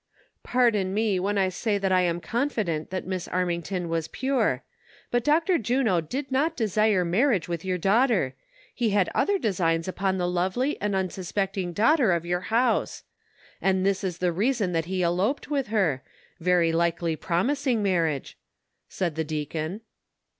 " Pardon me when I say that I am confident that Miss Armington was jiure ; but Dr. Juno did not desire mar riage with your daughter, he liad other designs upon the lovely and unsuspecting daughter of your house ; and this is the reason that he eloped with her, very likely promising marriage," said the deacon.